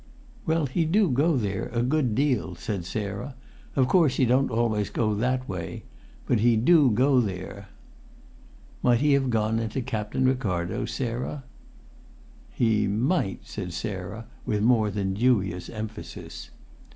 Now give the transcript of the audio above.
"Well, he do go there a good deal," said Sarah. "Of course he don't always go that way; but he do go there." "Might he have gone into Captain Ricardo's, Sarah?" "He might," said Sarah, with more than dubious emphasis.